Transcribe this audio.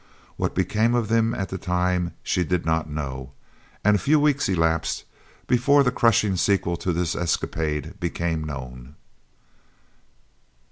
What became of them at the time she did not know, and a few weeks elapsed before the crushing sequel to this escapade became known.